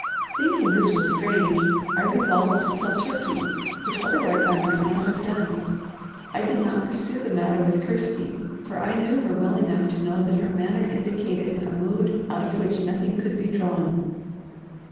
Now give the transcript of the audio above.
Thinking this was strange, I resolved to tell Turkey, which otherwise I might not have done. I did not pursue the matter with Kirsty, for I knew her well enough to know that her manner indicated a mood out of which nothing could be drawn.